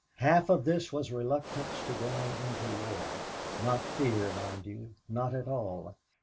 Half of this was reluctance to going into war not fear, mind you, not at all.